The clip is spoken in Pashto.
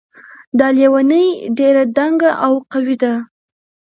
دا لیونۍ ډېر دنګ او قوي ده